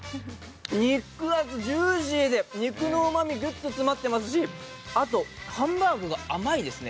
肉厚、ジューシーで肉のうまみがギュッと詰まっていますしハンバーグが甘いですね。